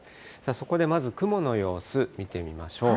そこでまず雲の様子、見てみましょう。